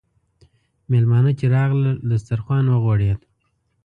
میلمانه چې راغلل، دسترخوان وغوړېد.